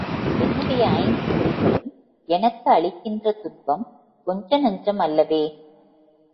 என்னுடைய ஐந்து பொறிகளும் எனக்கு அளிக்கின்ற துன்பம் கொஞ்சநஞ்சம் அல்லவே!